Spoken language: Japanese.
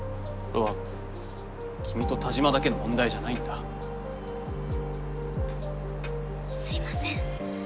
これは君と田嶋だけの問題じゃないんだすいません